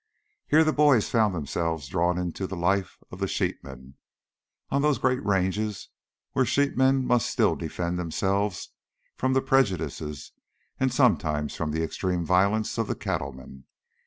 Here the boys found themselves drawn into the life of the sheep men, on those great ranges where the sheep men must still defend themselves from the prejudices, and sometimes from the extreme violence, of the cattle men.